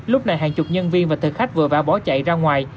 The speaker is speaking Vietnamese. lúc này hàng chục nhân viên và thực khách vừa vã bỏ chạy ra ngoài